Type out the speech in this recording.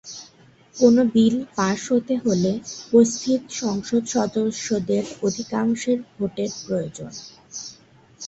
কোনো bill pass হতে হলে উপস্থিত সংসদ-সদস্যদের অধিকাংশের ভোটের প্রয়োজন।